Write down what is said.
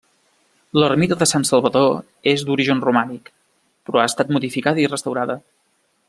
L'ermita de Sant Salvador és d'origen romànic, però ha estat modificada i restaurada.